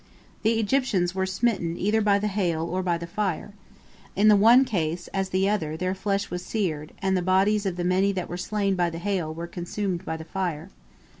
The Egyptians were smitten either by the hail or by the fire. In the one case as the other their flesh was seared, and the bodies of the many that were slain by the hail were consumed by the fire.